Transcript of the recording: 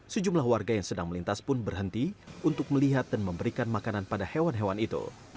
sejumlah warga yang sedang melintas pun berhenti untuk melihat dan memberikan makanan pada hewan hewan itu